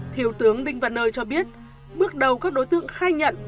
thiếu tướng đinh văn nơi cho biết bước đầu các đối tượng khai nhận